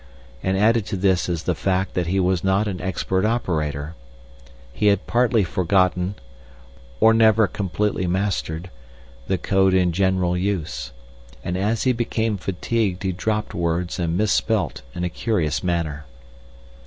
And added to this is the fact that he was not an expert operator; he had partly forgotten, or never completely mastered, the code in general use, and as he became fatigued he dropped words and misspelt in a curious manner.